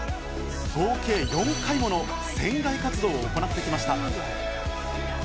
合計４回もの船外活動を行ってきました。